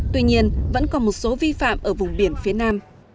tuy nhiên vẫn còn một số vi phạm ở vùng biển phía nam